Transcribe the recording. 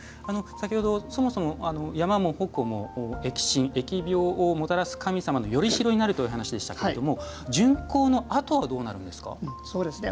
先ほど、そもそも山も鉾も疫神、疫病をもたらす神様の依代になるというお話でしたけど巡行のあとはどうなるんですか？